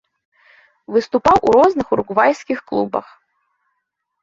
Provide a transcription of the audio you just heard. Выступаў у розных уругвайскіх клубах.